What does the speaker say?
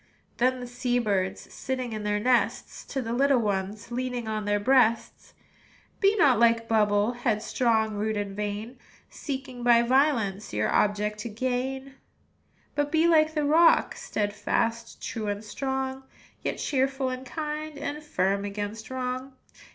Then said the sea birds, Sitting in their nests, To the little ones Leaning on their breasts, "Be not like Bubble, Headstrong, rude, and vain, Seeking by violence Your object to gain; "But be like the rock, Steadfast, true, and strong, Yet cheerful and kind, And firm against wrong.